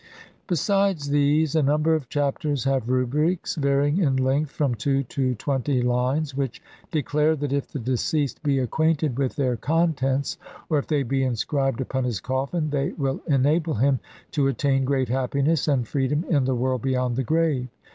Besides these a number of Chapters have Rubrics, varying in length from two to twenty lines, which declare that if the deceased be acquainted with their contents or if they be inscribed upon his coffin, they will enable him to attain great happiness and free dom in the world beyond the grave.